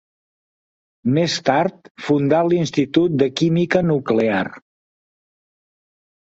Més tard fundà l'Institut de Química Nuclear.